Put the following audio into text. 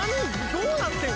どうなってん？